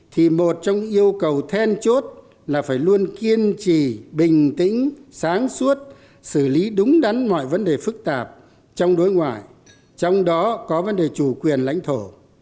thì một trong những yêu cầu then chốt là phải luôn kiên trì bình tĩnh sáng suốt xử lý đúng đắn mọi vấn đề phức tạp trong đối ngoại trong đó có vấn đề chủ quyền lãnh thổ